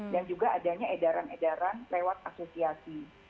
dan juga adanya edaran edaran lewat asosiasi